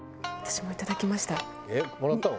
えっもらったの？